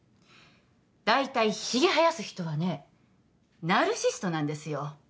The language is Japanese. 大体ヒゲ生やす人はねナルシストなんですよ